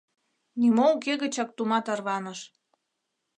Нимо уке гычак тума тарваныш.